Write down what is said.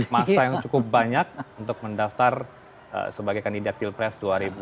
masa yang cukup banyak untuk mendaftar sebagai kandidat pilpres dua ribu dua puluh